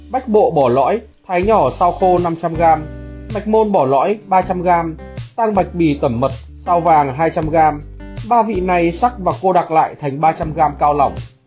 bách bộ bỏ lõi thái nhỏ sao khô năm trăm linh gram mạch môn bỏ lõi ba trăm linh g tăng bạch bì tẩm mật sao vàng hai trăm linh g ba vị này sắc và cô đặc lại thành ba trăm linh gram cao lỏng